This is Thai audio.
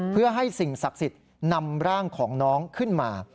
เพื่อให้สิ่งศักดิ์สิทธิ์นำร่างของน้องขึ้นมา